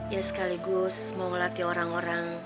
ya sekaligus mau ngelatih orang orang